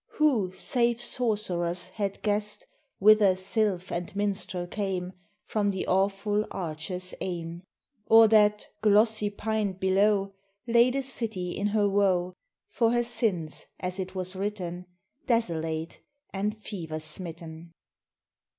Who, save sorcerers, had guessed Whither sylph and minstrel came From the awful Archer's aim? Or that, glossy pined below, Lay the city in her woe, For her sins, as it was written, Desolate and fever smitten?